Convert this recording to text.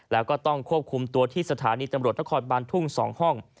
แล้วก็ต้องควบคุมตัวที่สถานีตำรวจนครบานทุ่ง๒ห้อง